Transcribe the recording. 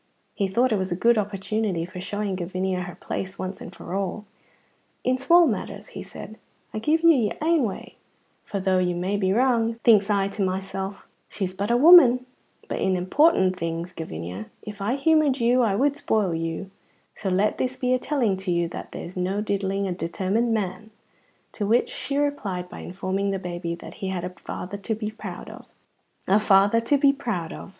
He thought it a good opportunity for showing Gavinia her place once and for all. "In small matters," he said, "I gie you your ain way, for though you may be wrang, thinks I to mysel', 'She's but a woman'; but in important things, Gavinia, if I humoured you I would spoil you, so let this be a telling to you that there's no diddling a determined man"; to which she replied by informing the baby that he had a father to be proud of. A father to be proud of!